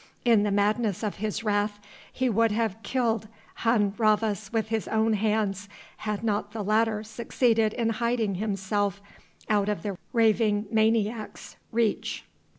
In the madness of his wrath he would have killed Hun Rhavas with his own hands had not the latter succeeded in hiding himself out of the raving maniac's reach.